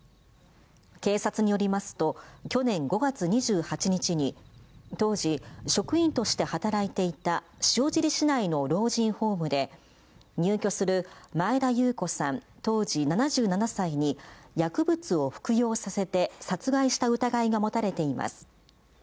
警察によりますと、去年５月２８日に、当時、職員として働いていた塩尻市内の老人ホームで、入居する前田裕子さん当時７７歳に、薬物を服用させて殺害した疑いが持たれています。